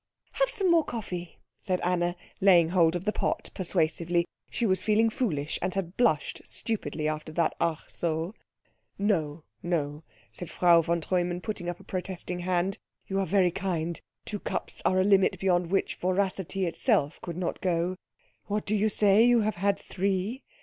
"Have some more coffee," said Anna, laying hold of the pot persuasively. She was feeling foolish, and had blushed stupidly after that Ach so. "No, no," said Frau von Treumann, putting up a protesting hand, "you are very kind. Two cups are a limit beyond which voracity itself could not go. What do you say? You have had three?